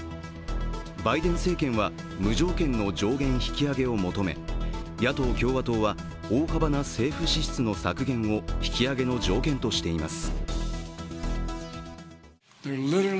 バイデン政権は、無条件の上限引き上げを求め野党・共和党は大幅な政府支出の削減を引き上げの条件としています。